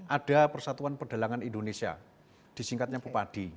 ada persatuan perdelangan indonesia disingkatnya papadi